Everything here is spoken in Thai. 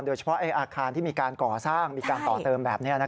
โดยเฉพาะอาคารที่มีการก่อสร้างมีการต่อเติมแบบนี้